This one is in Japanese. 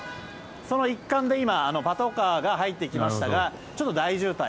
その一環で今、パトカーが入ってきましたがちょっと大渋滞。